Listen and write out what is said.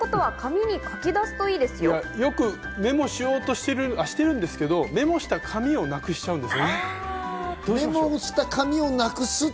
よくメモしようとしてるんですけど、メモした紙をなくしちゃうんです。